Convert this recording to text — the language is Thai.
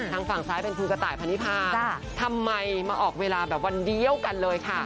ทางฝั่งซ้ายเป็นคุณกระต่ายพันนิพาทำไมมาออกเวลาแบบวันเดียวกันเลยค่ะ